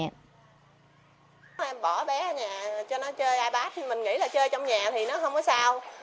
em bỏ bé ở nhà cho nó chơi ipad mình nghĩ là chơi trong nhà thì nó không có sao